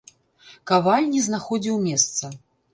Каваль не знаходзіў месца.